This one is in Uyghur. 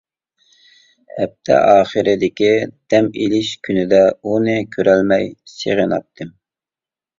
ھەپتە ئاخىرىدىكى دەم ئېلىش كۈنىدە ئۇنى كۆرەلمەي سېغىناتتىم.